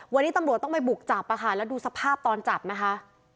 วันนี้ตำรวจต้องไปบุกจับอะค่ะแล้วดูสภาพตอนจับนะคะ